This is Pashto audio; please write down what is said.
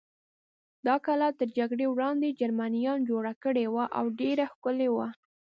دا کلا تر جګړې وړاندې جرمنیان جوړه کړې وه او ډېره ښکلې وه.